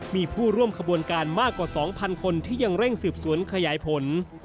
มีผู้ร่วมขบวนการมากกว่า๒๐๐คนที่ยังเร่งสืบสวนขยายผล